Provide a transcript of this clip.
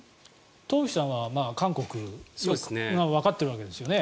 東輝さんは韓国がわかっているわけですよね。